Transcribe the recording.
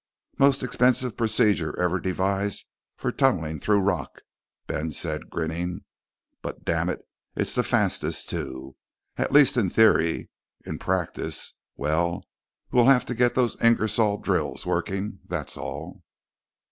"Most expensive procedure ever devised for tunneling through rock," Ben said, grinning. "But damn it, it's the fastest, too. At least in theory. In practice well, we have to get those Ingersoll drills working, that's all."